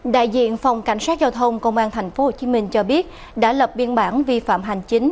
đại diện phòng cảnh sát giao thông công an tp hcm cho biết đã lập biên bản vi phạm hành chính